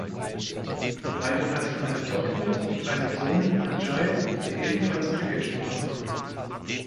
Die beiden hatten eine Tochter und einen Sohn Ajay, der ebenfalls Cricketspieler war.